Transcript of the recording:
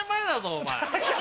お前。